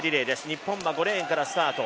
日本は５レーンからスタート。